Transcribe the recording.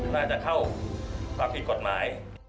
มีความรู้สึกว่า